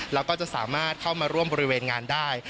แล้วก็จะสามารถเข้ามาร่วมบริเวณงานได้